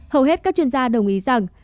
hầu hết các chuyên gia đồng ý rằng